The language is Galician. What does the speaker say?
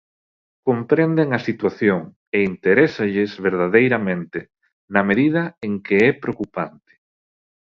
Comprenden a situación e interésalles verdadeiramente na medida en que é preocupante.